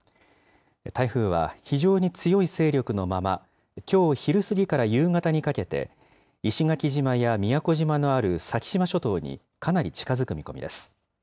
台風は非常に強い勢力のまま、きょう昼過ぎから夕方にかけて、石垣島や宮古島のある先島諸島にかなり近づく見込みです。